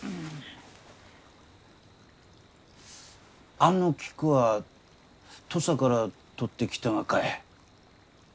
あの菊は土佐から採ってきたがかえ？